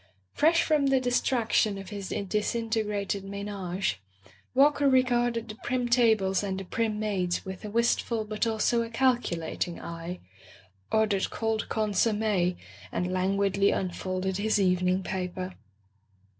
Fresh from the distraction of his disintegrated menage, Walker regarded the prim tables and the prim maids with a wistful but also a calculat ing eye, ordered cold consomme, and lan guidly unfolded his evening paper.